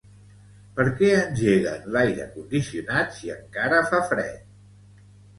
Perquè engeguen l'aire condicionat si encara fa fred?